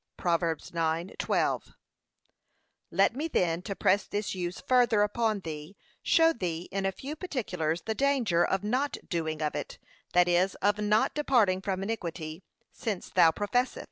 (Prov. 9:12) Let me then, to press this use further upon thee, show thee in a few particulars the danger of not doing of it, that is, of not departing from iniquity, since thou professest.